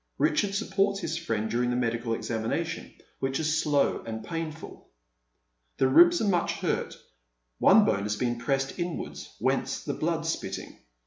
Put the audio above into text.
Richard supports his friend during the medical examination, which is slow and painful. The ribs are much hurt, one bone has been pressed iDwarda, »'hence the blood spitting.